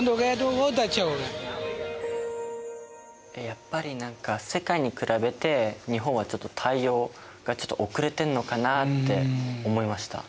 やっぱり何か世界に比べて日本はちょっと対応が遅れてるのかなって思いました。